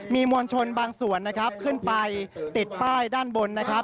มีมวลชนบางส่วนนะครับขึ้นไปติดป้ายด้านบนนะครับ